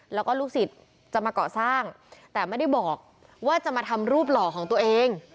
แล้วก็ลูกศิษย์จะมาเกาะสร้างแต่ไม่ได้บอกว่าจะมาทำรูปหล่อของตัวเอง